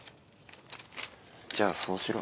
じゃあそうしろ。